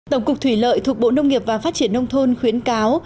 tổng cục thủy lợi thuộc bộ nông nghiệp và phát triển nông thôn khuyến cáo